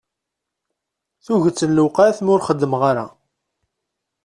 Tuget n lewqat mi ur xeddmeɣ ara.